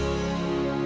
yang bisa dibehari adalah